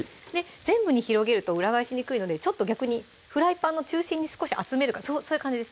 全部に広げると裏返しにくいのでちょっと逆にフライパンの中心に少し集めるそういう感じです